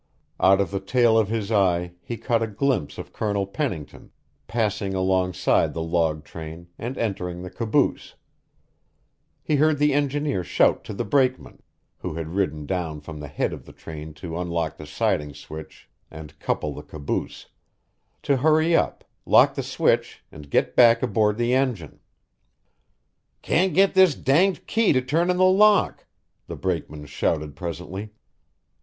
Out of the tail of his eye he caught a glimpse of Colonel Pennington passing alongside the log train and entering the caboose; he heard the engineer shout to the brakeman who had ridden down from the head of the train to unlock the siding switch and couple the caboose to hurry up, lock the switch, and get back aboard the engine. "Can't get this danged key to turn in the lock," the brakeman shouted presently.